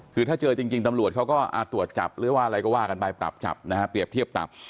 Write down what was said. คือถ้าเจอจริงตำรวจเขาก็ตรวจจับหรือว่าอะไรก็ว่ากันไปปรับจับนะฮะเปรียบเทียบปรับ